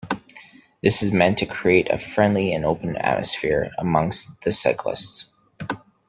This is meant to create a friendly and open atmosphere amongst the cyclists.